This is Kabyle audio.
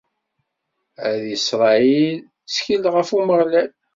A Isṛayil, ttkel ɣef Umeɣlal!